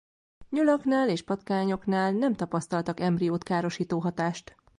Nyulaknál és patkányoknál nem tapasztaltak embriót károsító hatást.